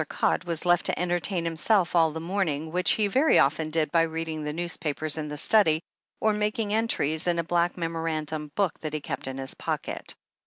Codd was left to entertain himself all the morn ing, which he very often did by reading the newspapers in the study, or making entries in a black memorandimi book that he kept in his pocket.